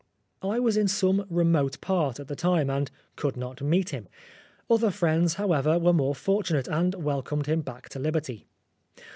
I was in some remote part at the time, and could not meet him. Other friends, however, were more fortunate, and welcomed him back to liberty.